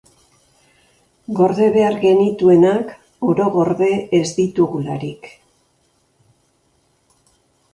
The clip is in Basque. Gorde behar genituenak oro gorde ez ditugularik.